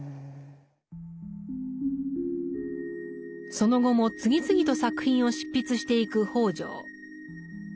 その後も次々と作品を執筆していく北條。